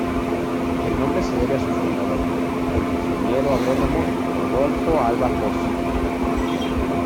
El nombre se debe a su fundador, el ingeniero agrónomo Rodolfo Alba Posse.